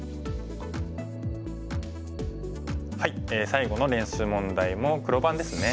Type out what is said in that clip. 最後の練習問題も黒番ですね。